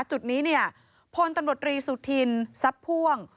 จุดนี้พลตำรวจรีสุธินซับพ่วง